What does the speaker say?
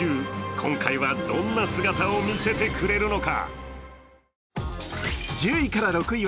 今回はどんな姿を見せてくれるのか。